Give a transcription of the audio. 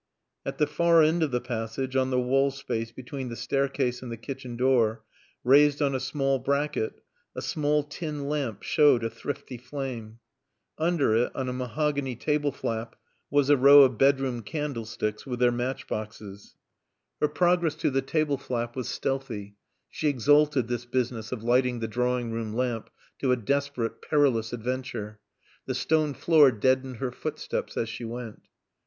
At the far end of the passage, on the wall space between the staircase and the kitchen door, raised on a small bracket, a small tin lamp showed a thrifty flame. Under it, on a mahogany table flap, was a row of bedroom candlesticks with their match boxes. Her progress to the table flap was stealthy. She exalted this business of lighting the drawing room lamp to a desperate, perilous adventure. The stone floor deadened her footsteps as she went.